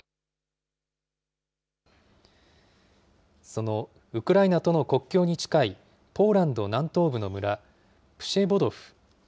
そのウクライナとの国境に近い、ポーランド南東部の村プシェボドフ。